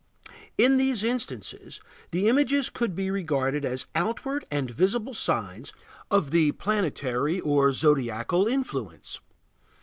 In these instances the images could be regarded as outward and visible signs of the planetary or zodiacal influence.